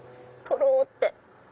とろって。